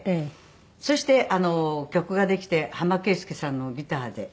そして曲ができて浜圭介さんのギターで。